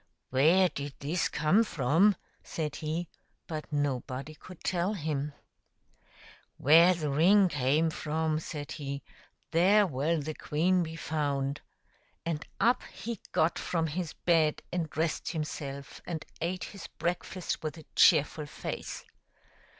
" Where did this come from ?" said he ; but nobody could tell him. " Where the ring came from," said he, " there will the queen be found/' And up he got from his bed and dressed himself, and ate his breakfast with a cheerful face.